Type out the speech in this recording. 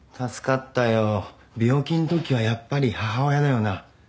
病気んときはやっぱり母親だよな。